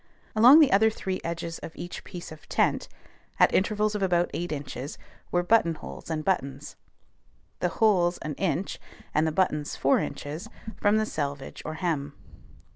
Along the other three edges of each piece of tent, at intervals of about eight inches, were button holes and buttons; the holes an inch, and the buttons four inches, from the selvage or hem.